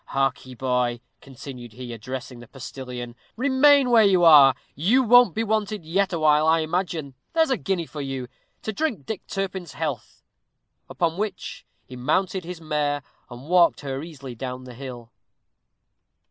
Hark ye, boy," continued he, addressing the postilion; "remain where you are; you won't be wanted yet awhile, I imagine. There's a guinea for you, to drink Dick Turpin's health." Upon which he mounted his mare, and walked her easily down the hill.